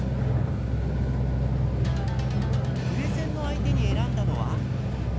プレゼンの相手に選んだのは。